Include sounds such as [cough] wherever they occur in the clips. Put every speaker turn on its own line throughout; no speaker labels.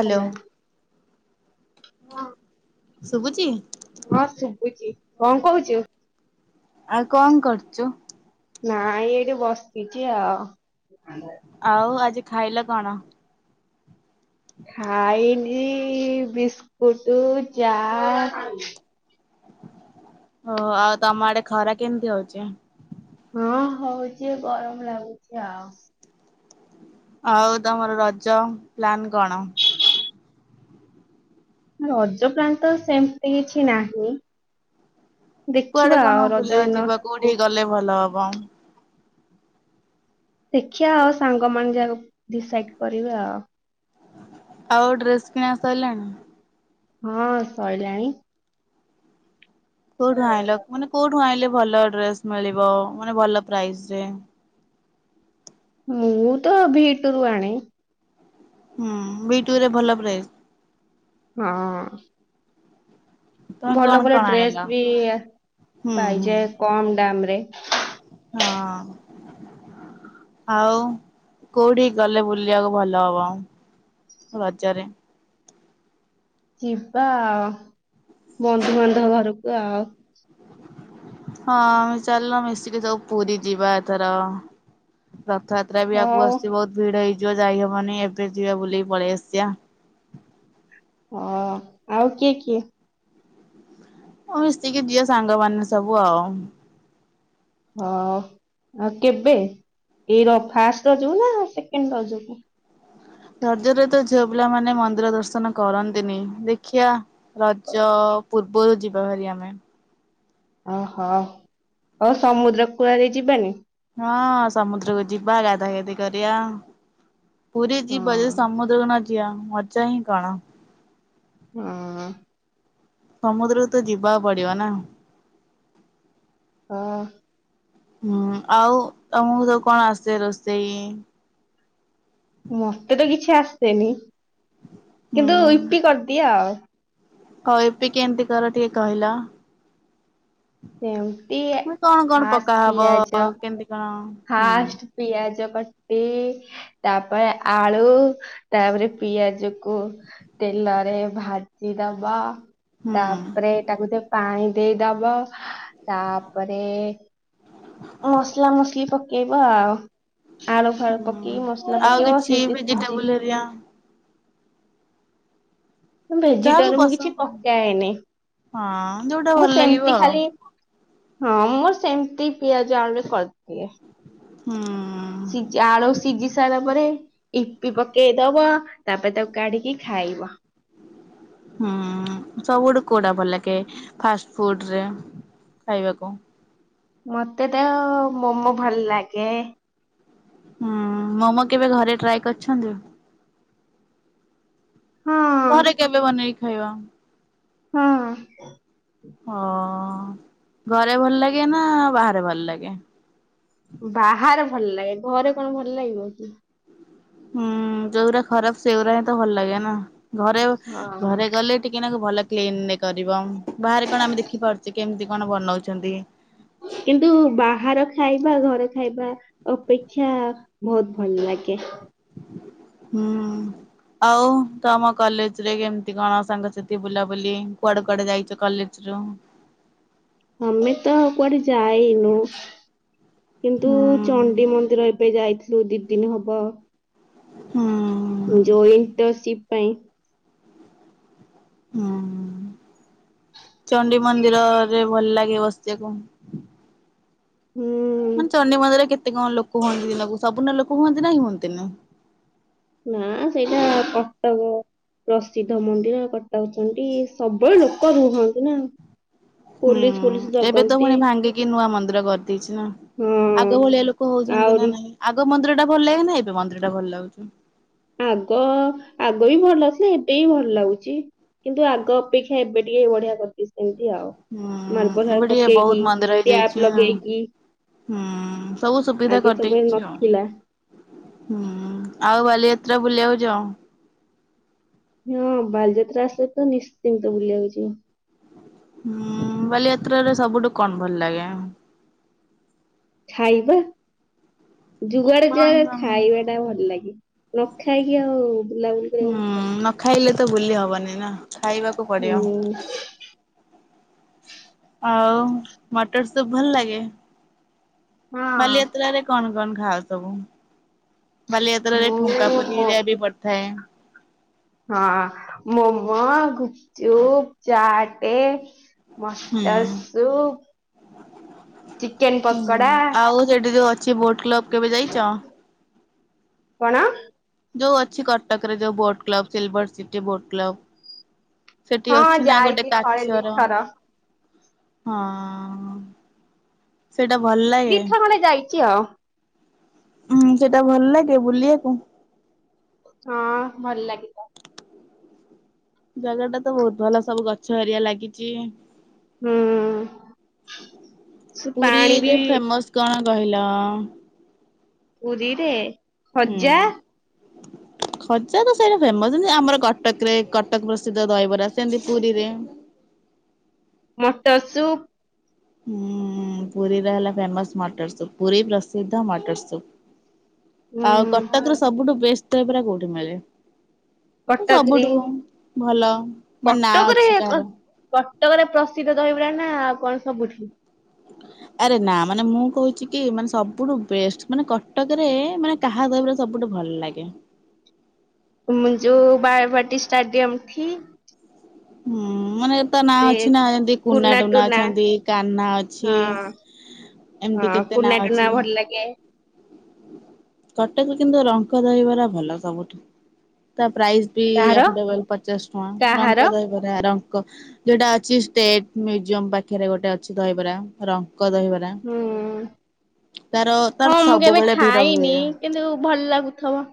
Hello.
ହ,
ଶୁଭୁଛି
ହଁ ଶୁଭୁଚି କଣ କହୁଛୁ?
ଆଉ କଣ କରୁଚୁ?
ନାଇଁ ଏଇଠି ବସିଛି ଆଉ।
ଆଉ ଆଜି ଖାଇଲ କଣ?
ଖାଇନି ବିସ୍କୁଟ ଚା।
ଓହୋ ଆଉ ତମ ଆଡେ ଖରା କେମିତି ହଉଚି?
ହଁ ହଉଚି ଗରମ ଲାଗୁଚି ଆଉ।
ଆଉ ତମର ରଜ ପ୍ଲାନ କଣ?
ରଜ ପ୍ଲାନ ତ ସେମିତି କିଛି ନାହିଁ।
କୁଆଡେ
ଦେଖିବା
କଣ
ଆଉ ରଜ
ବୁଲିବାକୁ
ଦିନ।
ଯିବ କୋଉଠିକି ଗଲେ ଭଲ ହବ?
ଦେଖିଆ ଆଉ ସାଙ୍ଗ ମାନ ଯାକୁ ଡିସାଇଡ କରିବେ ଆଉ।
ଆଉ ଡ୍ରେସ କିଣା ସାଇଲାଣି?
ହଁ ସଇଲାଣି।
କୋଉଠୁ ଆଇଁଲ ମାନେ କୋଉଠୁ ଆଇଁଲେ ଭଲ ଡ୍ରେସ ମିଳିବ ମାନେ ଭଲ ପ୍ରାଇସ୍‌ ରେ।
ମୁଁ ତ ଭି ଟୁ ରୁୁ ଆଣେ।
ହୁଁ ବି ଟୁ ରେ ଭଲ ପ୍ରାଇଜ?
ହଁ।
ତମେ କଣ
ଭଲ ଭଲ
କଣ ଆଣିଲ?
ଡ୍ରେସ ବି ଆସେ
ହୁଁ ହୁଁ
ପାଇଯାଏ କମ ଦାମ ରେ।
ହଁ। ଆଉ କୋଉଠିକି ଗଲେ ବୁଲିବାକୁ ଭଲ ହବ? ରଜରେ।
ଯିବା ଆଉ ବନ୍ଧୁବାନ୍ଧବ ଘରକୁ ଆଉ।
ହଁ, ଆମେ ଚାଲୁନ ମିଶିକି ସବୁ ପୁରୀ ଯିବା ଏଥର। ରଥଯାତ୍ରା ବି ଆଗକୁ
ହଉ
ଆସିବ ଭିଡ ହେଇଯିବ ଯାଇହବନି ଏବେ ଯିବାେ ବୁଲିକି ପଳେଇ ଆସିବା।
ହଁ ଆଉ କିଏ କିଏ?
ହଁ ମିଶିକି ଜିବା ସାଙ୍ଗମାନେ ସବୁ ଆଉ।
ହଁ ଆଉ କେବେ ଏଇ ର ଫାଷ୍ଟ ରଜକୁ ନା ସେକେଣ୍ଡ ରଜକୁ?
ରଜ ରଜରେ ତ ଝିଅ ପିଲାମାନେ ମନ୍ଦିର ଦର୍ଶନ କରନ୍ତିନି ଦେଖିିବା ରଜ ପୂର୍ବରୁ ଯିବା ଭାରି ଆମେ।
ଓହୋ ହଉ ସମୁଦ୍ର କୂଳରେ ଯିବାନି?
ହଁ ସମୁଦ୍ରକୁ ଯିବା ଗାଧା ଗାଧି କରିବା ପୁରୀ
ହଁ
ଯିବା ଯ ସମୁଦ୍ର ଏ ତ ଜଣ ଯିଆବା ମଜା ହିଁ କଣ?
ହଁ ହଁ।
ସମୁଦ୍ରକୁ ତ ଯିବା ପଡିବ ନା?
ହଁ।
ହୁଁ ଆଉ ତମକୁ ତ କଣ ସବୁ ଆସେ ରୋଷେଇ?
ମତେ ତ କିଛି ଆସେନି କିନ୍ତୁ ଇପି କରିଦିଏ ଆଉ।
ଆଉ ୟୁପି କେମିତି କର ଟିକେ କହିଲ?
ସେମିତି
ମୁଁ କଣ କଣ
ଫାଷ୍ଟ
ପକାହବ
ପିଆଜ
କେମିତି କଣ? ହୁଁ
ଫାଷ୍ଟ ପିଆଜ କାଟିଇ ତାପରେ ଆଳୁ ତାପରେ ପିଆଜ କୁ ତେଲରେ ଭାଜି ଦବ
ହୁଁ।
ତାପରେ ତାକୁ ପାଣି ଦେଇଦବ ତାପରେ ମସଲା ମସଲି ପକେଇବ ଆଉ। ଆଳୁ ଫାଳୁ
ହୁଁ
ପକେଇ ମସଲା
ଆଉ
ପକେଇବ
କିଛି
ସେ ସିଜି କି
ଭେଜିଟେବୁଲ ହେରିକା ଯାହାକୁ
ଭେଜିଟାରୁ ମୁଁ କିଛି
ପସନ୍ଦ
ପକାଏନି
ହଁ ଯୋଉଟା ଭଲ
ମୁଁ
ଲାଗିବ
ସେମିତି
ଆଉ
ଖାଲି ହଁ ମୋର ସେମିତି ପିଆଜ ଆଳୁରେ କରିଦିଏ।
ହୁଁ ହୁଁ।
ସିଝା ଆଳୁ ସିଝି ସାରିଲା ପରେ ୟୁପି ପକେଇ ଦବ ତାପରେ ତାକୁ କାଢିକି ଖାଇବ।
ହୁଁ ସବୁଟୁ କୋଉଟା ଭଲ ଲାଗେ ଫାଷ୍ଟ ଫୁଡରେ ଖାଇବାକୁ?
ମତେ ତ ମୋମୋ ଭଲ ଲାଗେ।
ହୁଁ ମୋମୋ କେବେ ଘରେ ଟ୍ରାଏ କରିଛନ୍ତି?
ହଁ ହଁ।
ଘରେ କେବେ ବନେଇକି ଖାଇବ?
ହୁଁ।
ଓହ ଘରେ ଭଲ ଲାଗେ ନା ବାହାରେ ଭଲ ଲାଗେ?
ବାହାରେ ଭଲ ଲାଗେ ଘରେ କଣ ଭଲ ଲାଗିବ କି?
ହୁଁ ଯୋଉରା ଖରାପ ସେଉରା ହିଁ ତ ଭଲ ଲାଗେ ନା ଘରେ ଘରେ
ହଁ
ଗଲେ ଟିକିନାକୁ ଭଲ କ୍ଲିନ କରିବ ବାହାରେ କଣ ଆମେ ଦେଖିପାରୁଛେ କେମିତି କଣ ବନଉଛନ୍ତି।
କିନ୍ତୁ ବାହାର ଖାଇବା ଘରେ ଖାଇବା ଅପେକ୍ଷା ବହୁତ ଭଲ ଲାଗେ।
ହୁଁ। ଆଉ ତମ କଲେଜେରେ କେମିତି କଣ ସାଙ୍ଗସାଥି ବୁଲାବୁଲି କୁଆଡେ କୁଆଡେ ଯାଇଛ କଲେଜ୍ ଯୋଗ୍।
ଆମେ ତ କୁଆଡେ ଯାଇନୁ କିନ୍ତୁ
ହୁଁ
ଚଣ୍ଡି ମନ୍ଦିର ଯାଇଥିଲୁ ଦି ଦିନ ହବ
ହୁଁ
ଯୋଉ ଇଣ୍ଟର୍ସିପ ପାଇଁ।
ହୁଁ ଚଣ୍ଡି ମନ୍ଦିରରେ ଭଲ ଲାଗେ ବସିବାକୁ।
ହୁଁ
ମାନେ ଚଣ୍ଡିୀ ମନ୍ଦିରେ କେତେ କଣ ଲୋକ ହୁଅନ୍ତି ଦିନକୁ ସବୁଦିନ ଲୋକ ହୁଅନ୍ତି ନା ହୁଅନ୍ତି?
ନା ସେଇଟା କଟକ ପ୍ରସିଦ୍ଧ ମନ୍ଦିର କଟକ ଚଣ୍ଡି ସବୁବେଳେ ଲୋକ ରୁହନ୍ତି ନା। ପୋଲିସି ଫୋଲିସି ଜଗନ୍ତି।
କିଏ ନୂଆ ମନ୍ଦିର କରିଦେଇଛି ନା,
ହଁ
ଆଗ ଭଳିଆ ଲୋକ ହଉଛନ୍ତି
ଆହୁରି
ନା ନାଇଁ? ଆଗ ମନ୍ଦିର ଟା ଭଲ ଲାଗେ ନା, ଏବେ ମନ୍ଦିର ଟା ଭଲ ଲାଗୁଛି?
ଆଗ ଆଗ ବି ଭଲ ଥିଲା, ଏବେ ବି ଭଲ ଲାଗୁଛି। କିନ୍ତୁ ଆଗ ଅପେକ୍ଷା ଏବେ ଟିକେ ବଢିଆ କରି ସେମିତି ଆଉ
ହୁଁ
ମାର୍ବଲ
ଏବେ ଟିକେ ବହୁତ
ପକେଇକି,
ମନ୍ଦିର ହେଇଯାଇଛି
ଟ୍ୟାପ
ନା
ଲଗେଇକି
ହୁଁ, ସବୁ ସୁବିଧା
ଆଗେ ସବୁ ଏ
କରିଦେଇଛି ଆଉ।
ନଥିଲା
ହୁଁ ହୁଁ, ଆଉ ବାଲିଯାତ୍ରା ବୁଲିବାକୁ ଯାଅ?
ହଁ ବାଲିଯାତ୍ରା ଆସେ ତ ନିଶ୍ଚିତ ବୁଲିିବାକୁ ଯିବି।
ହୁଁ ବାଲିଯାତ୍ରାରେ ସବୁଠୁ କଣ ଭଲ ଲାଗେ?
ଖାଇବା ଯୁଆଡେ
କଣ
ଯାଆ,
କଣ
ଖାଇବା ଟା ଭଲ ଲାଗିବ, ନ ଖାଇକି ଆଉ ବୁଲାବୁଲି
ହୁଁ
କରିବା
ନ ଖାଇଲେ ତ ବୁଲି ହବନି ନା, ଖାଇବାକୁ ପଡିବ।
ହୁଁ।
ଆଉ ମଟର ସୁପ୍ ଭଲ ଲାଗେ?
ହଁ
ବାଲିଯାତ୍ରାରେ କଣ କଣ ଖାଅ ସବୁ, ବାଲିଯାତ୍ରାରେ
ମୁଁ
ଠୁଙ୍କା ପରି
ମୋ
ହେରିକା ବି [unintelligible]
ହଁ ଅଁ, ମୋମୋ, ଗୁପଚୁପ, ଚାଟେ।
ହୁଁ
ମଟର ସୁପ, ଚିକେନ ପକୋଡା।
ସେଇଠି ଯଉ ଅଛି ବୋଟ୍ କ୍ଲବ୍ କେବେ ଯାଇଛ?
କଣ?
ଯୋଉ ଅଛି କଟକରେ ଯୋଉ boat club, silver city boat club? ସେଠି
ହଁ
ଅଛି ନା ଗୋଟେ
ଯାଇଛି ଥରେ
କାଚର,
ଦିଥର
ହଁ ଅ ସେଇଟା ଭଲ ଲା
ଦି ଥର ଖଣ୍ଡେ ଯାଇଛି ଆଉ।
ହୁଁ, ସେଇଟା ଭଲ ଲାଗେ ବୁଲିବାକୁ?
ହଁ ଭଲ ଲାଗିଲା।
ଜାଗା ଟା ତ ବହୁତ ଭଲ ସବୁ ଗଛ ଏରିଆ ଲାଗିଚି।
ହୁଁ ସେ ପାଣି ବି
ପୁରୀରେ ଫେମସ କଣ କହିଲ?
ପୁରୀରେ?
ହୁଁ ଉଁ
ଖଜା
ଖଜା ତ ସେଇଟା ଫେମସ, ଯେମିତି ଆମର କଟକରେ କଟକ ପ୍ରସିଦ୍ଧ ଦହିବରା। ରସନ୍ଦି ପୁରୀରେ।
ମଟର ସୁପ।
ହୁଁ ପୁରୀର ହେଲା ଫେମସ୍ ମଟର ସୁପ୍, ପୁରୀ ପ୍ରସିଦ୍ଧ ମଟର ସୁପ୍।
ଉଁ
ଆଉ କଟକରୁ ସବୁଠୁ ବେଷ୍ଟେ ଦହିବରା କୋଉଠି ମିଳେ?
କଟକରେ
ସବୁଠୁ ଭଲ। ମାନେ ନାଁ
କଟକରେ
ଅଛି କାହାର।
କଟକରେ ପ୍ରସିଦ୍ଧ ଦହିବରା ନା ଆଉ କଣ ସବୁଠି?
ଆରେ ନା ମାନେ ମୁଁ କହୁଛି କି ମାନେ ସବୁଠୁ ବେଷ୍ଟ ମାନେ କଟକରେ ମାନେ କାହା ଦହିବରା ସବୁଠୁ ଭଲ ଲାଗେ?
ମୁଁ ଯୋଉ ବାରବାଟୀ ଷ୍ଟାଡ଼ିିୟମଥି
ହୁଁ ମାନେ ତା ନାଁ
ସେ
ଅଛି ନା ଏମିତି କୁନା ଟୁନା ଅଛନ୍ତି କାହ୍ନା ଅଛି।
ହଁ
ଏମିତି
ହଁ
କେତେ ନାଁ
କୁନା
ଅଛି
ଟୁନା ଭଲ ଲାଗେ।
କଟକରେ କିନ୍ତୁ ରଙ୍ଗ ଦହିବରା ଭଲ ସବୁଠୁ ତା ପ୍ରାଇସ୍ ବି
କାହାର
ଆପଟେକୁ ପଚାଶ ଟଙ୍କା
କାହାର
ରଙ୍କ ଦହିବରା ରଙ୍କ ଯୋଉଟା ଅଛି ଷ୍ଟେଟ ମ୍ୟୁଜିୟମ ପାଖରେ ଗୋଟେ ଅଛି ଦହିବରା, ରଙ୍କ ଦହିବରା।
ହୁଁ
ତା
ହଁ
ତାର
ମୁଁ କେବେ
ସବୁବେଳେ ଭିଡ ହୁଏ।
ଖାଇନି କିନ୍ତୁ ଭଲ ଲାଗୁଥିବ।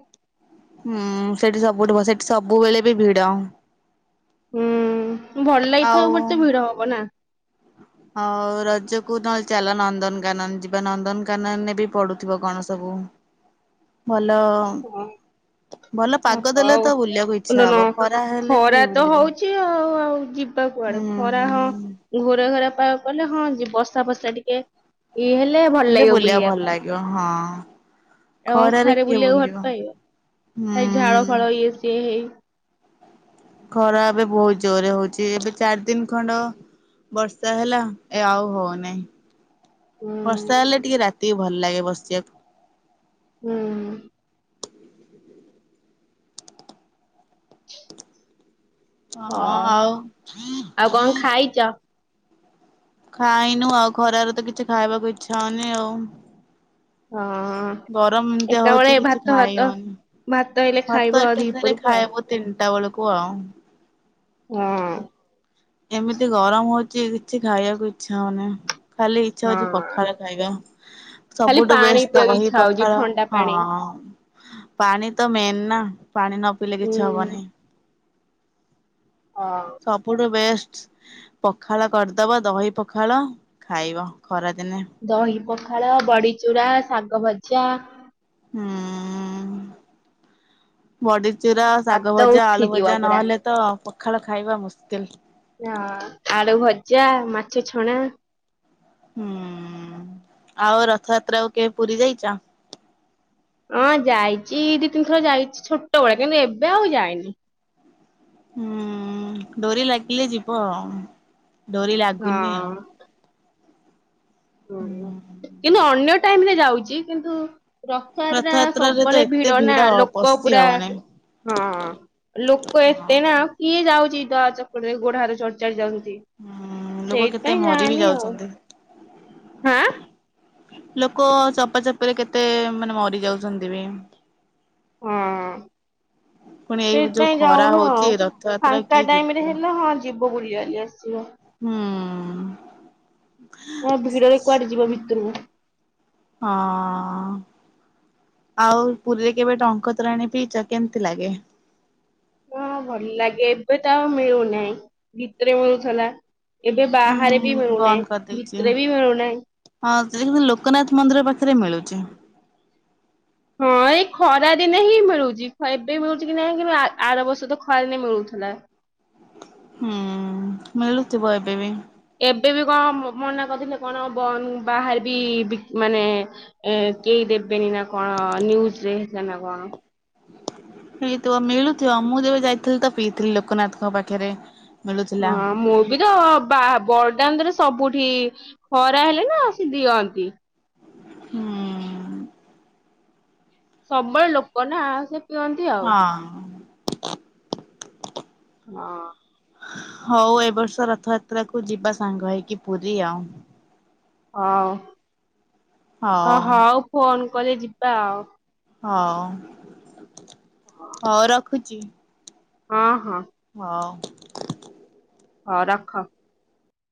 ହୁଁ ସେଠି ସବୁଠି ଭଲ ସେଠି ସବୁବେଳେ ବି ଭିଡ।
ହୁଁ ଭଲ ଲାଗିଥିବ
ଆଉ
ମତେ ଭିଡ ହବ ନା।
ହଉ ରଜକୁୁ ନଲେ ଚାଲ ନନ୍ଦନକାନନ ଯିବା, ନନ୍ଦନକାନନରେ ବି ପଡୁଥିବ କଣ ସବୁ? ଭଲ।
ୱଁ।
ଭଲ
ଓ
ପାଗ ଦେଲେ ତ ବୁଲିବାକୁ ଇଚ୍ଛା
ହଉ
ହବ ଖରା ହେଲେ
ଖରା
କିଏ
ତ
ବୁଲିବ।
ହଉଛି ଆଉ ଆଉ ଯିବ ତ
ହୁଁ
କୁଆଡେ ଖରା
ହୁଁ
ହଁ ଘୋରା ଘରା ପାଗ କଲେ ହଁ ଯିବ ବର୍ଷା ଫର୍ଷା ଟିକେ ଇ ହେଲେ ଭଲ ଲାଗିବ
ବୁଲିବାକୁ
ବୁଲିବା
ଭଲ
ପାଇଁ
ଲାଗିବ ହଁ।
ଅଁ
ଖରାରେ
ଖରେ
କିଏ
ବୁଲିବାକୁ ଭଲ
ବୁଲିବ
ପାଇବ
ହୁଁ।
ଏଇ ଝାଳ ଫାଳ ଇଏ ସିଏ ହେଇ
ଖରା ଏବେ ବହୁତ ଜୋରରେ ହଉଛି ଏବେ ଚାରି ଦିନ ଖଣ୍ଡ ବର୍ଷା ହେଲା ଏ ଆଉ ହଉନାହିଁ। ବର୍ଷା
ହୁଁ
ହେଲେ ଟିକେ ରାତି କି ଭଲ ଲାଗେ ବସିବାକୁ।
ହୁଁ।
ହଁ ଆଉ।
ଖାଇଚ।
ଖାଇନୁ ଆଉ ଖରାରେ ତ କିଛି ଖାଇବାକୁ ଇଚ୍ଛା ହଉନି ଆଉ।
ହଁ ହଁ।
ଗରମ ଏମିତିଆ
ଏକାବେଳେ
ହଉଛି କିଛି
ଭାତ ଭାତ
ଖାଇଉନି
ଭାତ ହେଲେ ଖାଇବ
ଭାତ
ଆଉ
ଏକାଥରେ
ଦିପହରକୁ ଆଉ
ଖାଇବୁ ତିନିଟା ବେଳକୁ ଆଉ
ହୁଁ।
ଏମିତି ଗରମ ହଉଛି କିଛି ଖାଇବାକୁ ଇଚ୍ଛା ହଉନି। ଖାଲି ଇଚ୍ଛା ହଉଛି
ହଁ।
ପଖାଳ ଖାଇବା।
ଖାଲି
ସବୁଠୁ
ପାଣି
ବେଶ୍
ପିଇବାକୁ
ଦହି
ଇଚ୍ଛା ହଉଛି
ପଖାଳ
ଥଣ୍ଡା ପାଣି।
ହଁ। ପାଣି ତ ମେନ୍ ନା ପାଣି ନ ପିଇଲେ
ହୁଁ।
କିଛି ହବନି।
ହଁ।
ସବୁଠୁ ବେଷ୍ଟ। ପଖାଳ କରିଦବ ଦହି ପଖାଳ ଖାଇବ ଖରାଦିନେ।
ଦହି ପଖାଳ ବଡିଚୂରା ଶାଗ ଭଜା।
ହୁଁ। ବଡିଚୁରା ଶାଗ
ଭାତ
ଭଜା ଆଳୁ
ଉଠିଯିବ
ଭଜା
ପୁରା।
ନହେଲେ ତ ପଖାଳ ଖାଇବା ମୁସ୍କିଲ।
ହା ଆଳୁ ଭଜା ମାଛ ଛଣା
ହୁଁ ଆଉ ରଥଯାତ୍ରା କୁ କେବେ ପୁରୀ ଯାଇଚ।
ହଁ ଯାଇଛି ଦି ତିନିଥର ଯାଇଛି ଛୋଟବେଳେ କିନ୍ତୁ ଏବେ ଆଉ ଯାଇନି।
ହୁଁ ଡୋରି ଲାଗିଲେ ଯିବ ଡୋରି ଲାଗୁନି
ହଁ
ଆଉ। ହୁଁ
କିନ୍ତୁ ଅନ୍ୟ ଟାଇମ୍ ରେ ଯାଉଛି କିନ୍ତୁ ରଥଯାତ୍ରା
ରଥଯାତ୍ରାରେ ତ
ସବୁବେଳେ
ଏତେ
ଭିଡ ନା ଲୋକ
ପଶି
ପୁରା
ହବନି
ହଁ ଲୋକ
ହଁ
ଏତେ ନା କିଏ ଯାଉଛି ଦଳା ଚକଡାରେ ଗୋଡ ହାତ ଚଢଚାଡି ଯାଉଛନ୍ତି।
ହୁଁ ଲୋକ କେତେ
ସେଇଥିପାଇଁ
ମରି ବି
ଜାଏନି ଆଉ।
ଯାଉଛନ୍ତି।
ହାଁ।
ଲୋକ ଚପାଚପି ରେ କେତେ ମାନେ ମରି ଯାଉଛନ୍ତି ବି
ହୁଁ।
ପୁଣି ଏଇ ଯୋଉ
ସେଇଥିପାଇଁ
ଖରା
ଯାଉନୁ
ହଉଛି
ଆଉ
ରଥଯାତ୍ରା
ଫାଙ୍କା
କିଏ ଯିବ
ଟାଇମ ରେ
ହୁଁ।
ହେଲା ହଁ ଯିବ ବୁଲିଆଲି ଆସିିବ।
ହଁ
କଣ ଭିଡରେ କୁଆଡେ ଯିବ ଭିତରକୁ।
ହଁ। ଆଉ ପୁରୀରେ କେବେ ଟଙ୍କ ତୋରାଣି ପିଇଚ କେମିତି ଲାଗେ।
ହଁ ଭଲ ଲାଗେ ଏବେ ତ ଆଉ ମିଳୁନାହିଁ ଭିତରେ ମିଳୁଥିଲା। ଏବେ
ହୁଁ
ବାହାରେ ବି
ବନ୍ଦ
ମିଳୁନାହିଁ
କରିଦେଇଛି
ଭିତରେ ବି ମିଳୁନାହିଁ।
ହଁ ସେ ଲୋକନାଥ ମନ୍ଦିର ପାଖରେ ମିଳୁଛି।
ଏ ଖରାଦିନେ ହିଁ ମିଳୁଛି ଏବେ ମିଳୁଛି କି ନାହିଁ କିନ୍ତୁ ଆର ବର୍ଷ ତ ଖରା ଦିନେ ମିଳୁଥିଲା।
ହୁଁ ମିଳୁଥିବ ଏବେ ବି।
ଏବେ ବି କଣ ମନା କରିଥିଲେ କଣ ବନ୍ଦ ବାହାରେ ବି ବିକ୍ ମାନେ ଏ କେହି ଦେବେନି ନା କଣ ନ୍ୟୁଜରେ ହେଇଥି ନା କଣ
ହେଇଥିବ ମିଳୁଥିବ ମୁଁ ଯେବେ ଯାଇଥିଲି ତ ପିଇଥିଲି ଲୋକନାଥଙ୍କ ପାଖରେ। ମିଳୁଥିଲା
ହଁ ମୁ ବିଦ ବା ବରଦାନ୍ତରେ ସବୁଠି ଖରା ହେଲେ ନା ସେ ଦିଅନ୍ତି।
ହୁଁ।
ସବୁବେଳେ ଲୋକ ନା ସେ ପିଅନ୍ତି ଆଉ।
ହଁ।
ଅ
ହଉ ଏ ବର୍ଷ ରଥଯାତ୍ରା କୁ ଯିବା ସାଙ୍ଗ ହେଇକି ପୁରୀ ଆଉ।
ହଉ ଅ ହଉ ଫୋନ କଲେ ଯିବା ଆଉ।
ହ ହଉ ରଖୁଛି।
ହଁ ହଁ।
ହଉ।
ହ ରଖ।